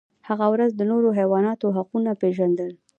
هغه د نورو حیواناتو حقونه پیژندل.